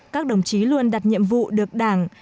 các đồng chí luôn đặt nhiệm vụ được đảng